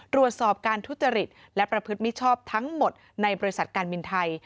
ตรวจสอบการทุจริตและประพฤติมิชชอบทั้งหมดในบริษัทการบินไทย